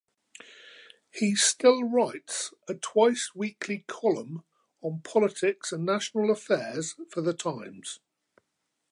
He still writes a twice-weekly column on politics and national affairs for "The Times".